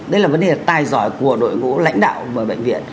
đây là vấn đề là tài giỏi của đội ngũ lãnh đạo bệnh viện